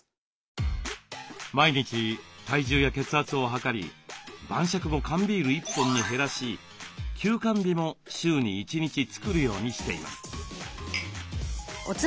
毎日体重や血圧をはかり晩酌も缶ビール１本に減らし休肝日も週に１日作るようにしています。